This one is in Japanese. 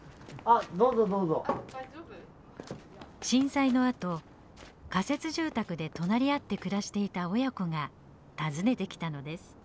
震災のあと仮設住宅で隣り合って暮らしていた親子が訪ねてきたのです。